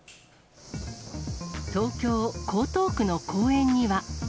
東京・江東区の公園には。